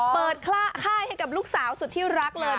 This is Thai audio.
ค่ายให้กับลูกสาวสุดที่รักเลย